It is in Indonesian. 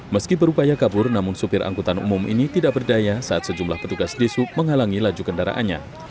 meski berupaya kabur namun supir angkutan umum ini tidak berdaya saat sejumlah petugas di sub menghalangi laju kendaraannya